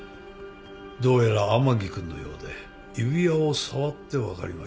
どうやら甘木君のようで指輪を触って分かりました。